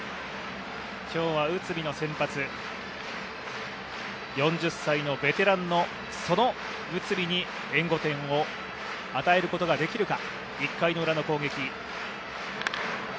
今日は内海の先発、４０歳のベテランのその内海に援護点を与えることができるか。